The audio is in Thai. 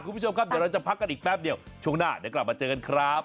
คุณผู้ชมครับเดี๋ยวเราจะพักกันอีกแป๊บเดียวช่วงหน้าเดี๋ยวกลับมาเจอกันครับ